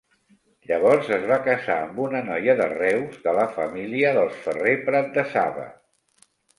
Llavors es va casar amb una noia de Reus de la família dels Ferrer Pratdesaba.